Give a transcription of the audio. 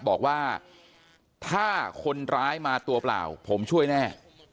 บอกว่าถ้าคนร้ายมาตัวเปล่าผมช่วยแน่